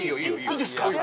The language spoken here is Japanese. いいですか？